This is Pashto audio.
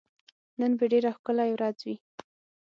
نن به ډېره ښکلی ورځ وي